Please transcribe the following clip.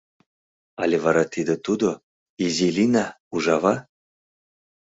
Але вара тиде тудо, изи Лина, Ужава?..